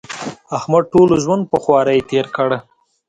احمد ټول ژوند په خواري تېر کړ.